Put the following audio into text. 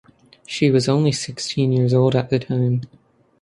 She was only sixteen years old at the time.